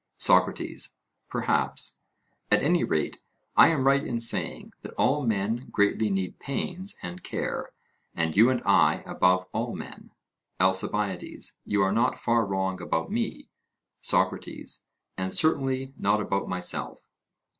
SOCRATES: Perhaps, at any rate, I am right in saying that all men greatly need pains and care, and you and I above all men. ALCIBIADES: You are not far wrong about me. SOCRATES: And certainly not about myself.